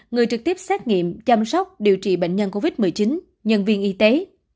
người trực tiếp xét nghiệm chăm sóc điều trị bệnh nhân covid một mươi chín nhân viên y tế